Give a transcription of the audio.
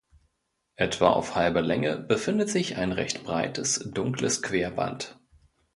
Etwa auf halber Länge befindet sich ein recht breites dunkles Querband.